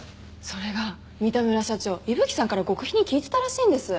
それが三田村社長伊吹さんから極秘に聞いてたらしいんです。